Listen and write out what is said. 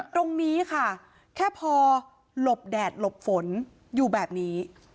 ตรงนี้ค่ะแค่พอหลบแดดหลบฝนอยู่แบบนี้